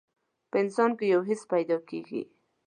په انسان کې يو حس پيدا کېږي.